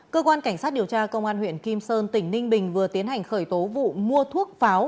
cơ quan cảnh sát điều tra công an huyện kim sơn tỉnh ninh bình vừa tiến hành khởi tố vụ mua thuốc pháo